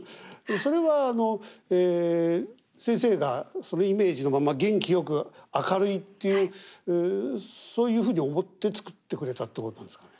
それは先生がそのイメージのまんま元気よく明るいっていうそういうふうに思って作ってくれたってことなんですかね？